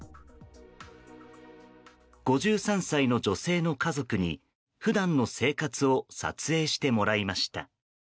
５３歳の女性の家族に普段の生活を撮影してもらいました。